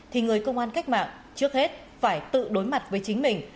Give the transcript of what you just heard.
thì người công an cách mạng trước hết phải tự đối mặt với chính mình